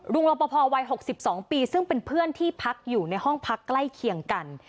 รอปภวัย๖๒ปีซึ่งเป็นเพื่อนที่พักอยู่ในห้องพักใกล้เคียงกัน